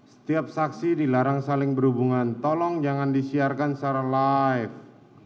setiap saksi dilarang saling berhubungan tolong jangan disiarkan secara live